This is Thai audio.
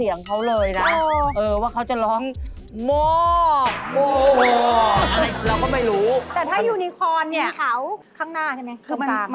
ยูนิคอล